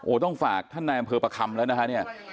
ต้องฝากท่านนายอำเภอประคำแล้วนะฮะเนี่ย